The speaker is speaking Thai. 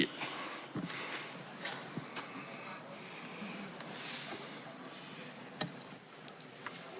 ในมาตรา๒ทับ๑